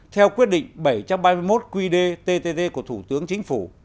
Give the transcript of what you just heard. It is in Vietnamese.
theo quyết định bảy trăm ba mươi một qd ttt của thủ tướng chính phủ